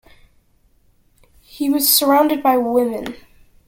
He was surrounded by women.